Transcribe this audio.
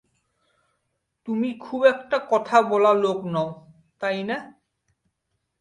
তুমি খুব একটা কথা বলার লোক নও, তাই না?